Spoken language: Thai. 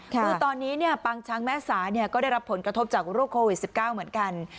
คือตอนนี้เนี่ยปางช้างแม่สาเนี่ยก็ได้รับผลกระทบจากภูมิโควิด๑๙เหมือนกัน